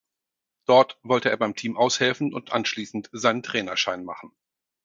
Dort wollte er beim Team aushelfen und anschließend seinen Trainerschein machen.